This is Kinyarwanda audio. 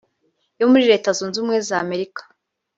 yo muri Leta Zunze Ubumwe za Amerika